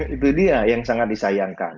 itu dia yang sangat disayangkan